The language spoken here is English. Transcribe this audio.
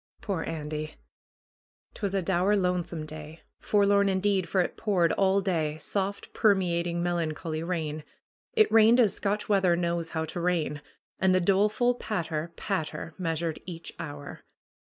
Poor Andy ! 'Twas a dour lonesome day. Forlorn indeed, for it poured all day, soft, permeating, melancholy rain. It rained as Scotch weather knows how to rain. And the doleful patter, patter measured each hour.